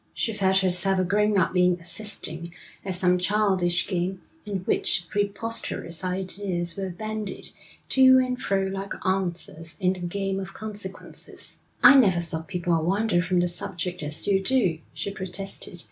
She felt herself a grown up being assisting at some childish game in which preposterous ideas were bandied to and fro like answers in the game of consequences. 'I never saw people wander from the subject as you do,' she protested.